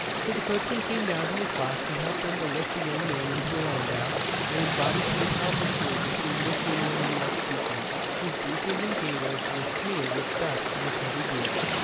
So the coachman came down from his box and helped them to lift the young man into the landau; and his body swayed helplessly between Miss Winwood and the Archdeacon, whose breeches and gaiters were smeared with dust from his heavy boots.